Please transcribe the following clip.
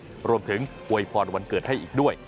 เป็นที่ระลึกรวมถึงอวยพรวันเกิดให้อีกด้วย